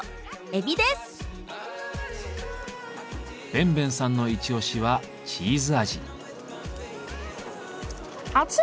奔奔さんのイチオシはチーズ味。